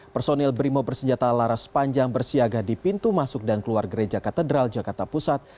personil brimob bersenjata laras panjang bersiaga di pintu masuk dan keluar gereja katedral jakarta pusat